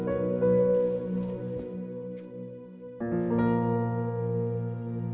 kamu sama amin